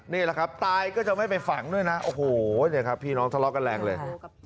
นี่แหละครับตายก็จะไม่ไปฝังด้วยนะโอ้โหเนี่ยครับพี่น้องทะเลาะกันแรงเลย